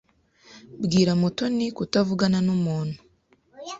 Bwira Mutoni kutavugana numuntu.